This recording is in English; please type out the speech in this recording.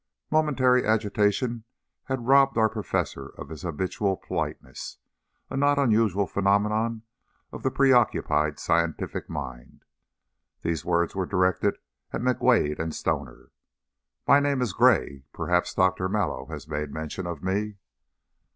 "Momentary agitation has robbed our Professor of his habitual politeness a not unusual phenomenon of the preoccupied scientific mind." These words were directed at McWade and Stoner. "My name is Gray. Perhaps Doctor Mallow has made mention of me."